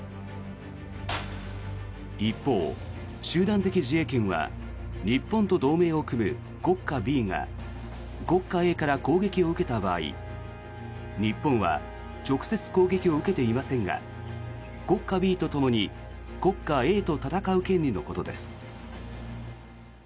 一方、集団的自衛権は日本と同盟を組む国家Ｂが国家Ａから攻撃を受けた場合日本は直接攻撃を受けていませんが国家Ｂとともに国家Ａと戦う権利のことです。